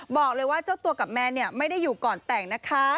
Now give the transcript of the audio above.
บอกเลยว่าเจ้าตัวกับแมนไม่ได้อยู่ก่อนแต่งนะคะ